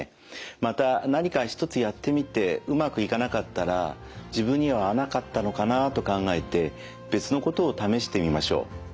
また何か一つやってみてうまくいかなかったら自分には合わなかったのかなと考えて別のことを試してみましょう。